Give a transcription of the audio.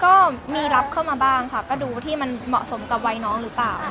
ก็มีรับเข้ามาบ้างค่ะก็ดูที่มันเหมาะสมกับวัยน้องหรือเปล่า